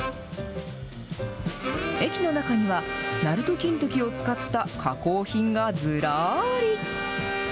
駅の中には、なると金時を使った加工品がずらーり。